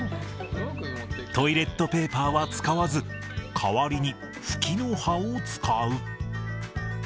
トイレットペーパーは使わず、代わりにふきの葉を使う。